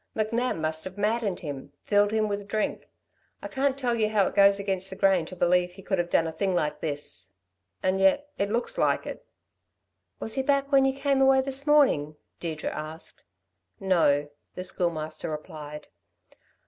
McNab must have maddened him, filled him up with drink. I can't tell you how it goes against the grain to believe he could have done a thing like this, and yet it looks like it." "Was he back when you came away this morning?" Deirdre asked. "No," the Schoolmaster replied.